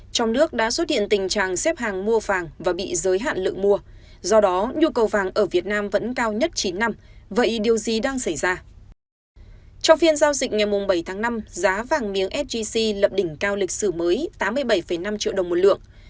trong phiên giao dịch ngày bảy tháng năm giá vàng miếng sgc lập đỉnh cao lịch sử mới tám mươi bảy năm triệu đồng một lượng